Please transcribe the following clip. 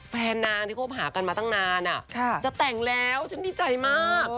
แฟนนางที่คบหากันมาตั้งนานจะแต่งแล้วฉันดีใจมาก